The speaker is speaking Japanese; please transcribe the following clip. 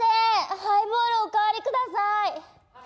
ハイボールお代わり下さい。